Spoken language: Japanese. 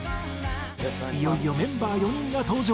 いよいよメンバー４人が登場。